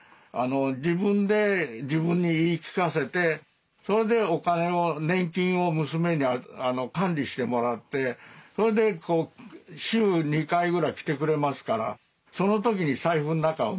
自分で自分に言い聞かせてそれでお金を年金を娘に管理してもらってそれで週２回ぐらい来てくれますからその時に財布の中を見てね